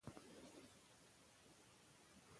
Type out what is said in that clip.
روسو نظریه ټولنیز تړون دئ.